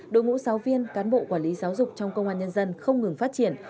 đội ngũ giáo viên cán bộ quản lý giáo dục trong công an nhân dân không ngừng phát triển